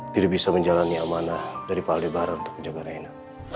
tidak bisa menjalani amanah dari pak aldebaran untuk menjaga rena